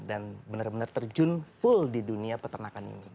dan benar benar terjun full di dunia peternakan ini